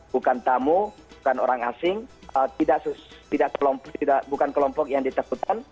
bukan tamu bukan orang asing bukan kelompok yang ditakutkan